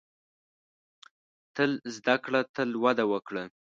• تل زده کړه، تل وده وکړه.